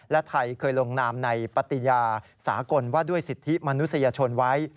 และไทยเคยลงนามในปฏิญาสากลว่าด้วยสิทธิมนุษยชนไว้